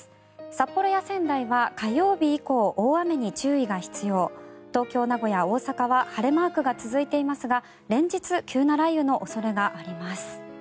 札幌や仙台は火曜日以降大雨に注意が必要東京、名古屋、大阪は晴れマークが続いていますが連日、急な雷雨の恐れがあります。